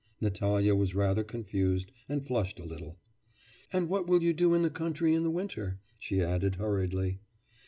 Natalya was rather confused, and flushed a little. 'And what will you do in the country in the winter?' she added hurriedly.